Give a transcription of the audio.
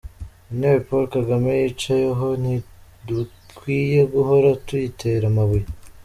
Intebe Paul Kagame yicayeho, ntidukwiye guhora tuyitera amabuye .